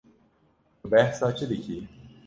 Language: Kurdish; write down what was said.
Tu behsa çi dikî?